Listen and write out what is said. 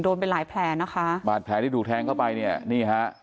ไปหลายแผลนะคะบาดแผลที่ถูกแทงเข้าไปเนี่ยนี่ฮะ